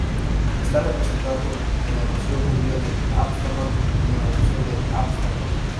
Está representado en el Museo Judío de Ámsterdam y en el Museo de Ámsterdam.